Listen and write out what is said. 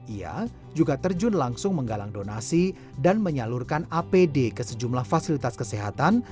ia juga terjun langsung menggalang donasi dan menyalurkan apd ke sejumlah fasilitas kesehatan